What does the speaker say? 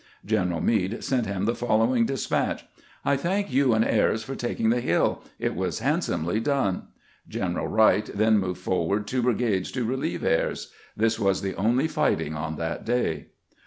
General Meade sent bim tbe fol lowing despatch :" I tbank you and Ayres for taking tbe bill. It was handsomely done." General Wright then moved forward two brigades to relieve Ayres. This was the only fighting on that day.